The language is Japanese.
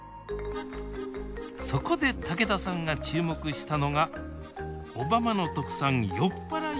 そこで竹田さんが注目したのが小浜の特産よっぱらい